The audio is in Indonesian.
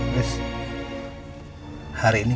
pasti juga katherine